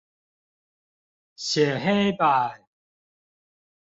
寫黑板